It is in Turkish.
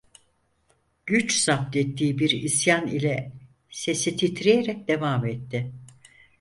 Güç zapt ettiği bir isyan ile, sesi titreyerek devam etti: